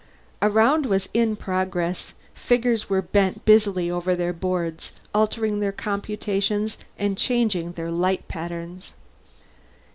A round was in progress; figures were bent busily over their boards, altering their computations and changing their light patterns.